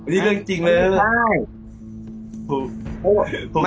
เนี่ยเรื่องจริงเหมือนกัน